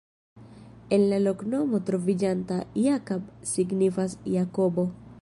En la loknomo troviĝanta "Jakab" signifas: Jakobo.